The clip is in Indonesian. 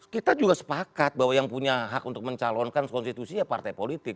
kita juga sepakat bahwa yang punya hak untuk mencalonkan konstitusi ya partai politik